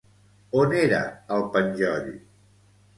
On era el penjoll?